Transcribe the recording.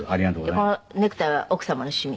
このネクタイは奥様の趣味？